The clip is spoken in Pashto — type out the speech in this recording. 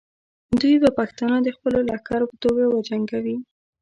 دوی به پښتانه د خپلو لښکرو په توګه وجنګوي.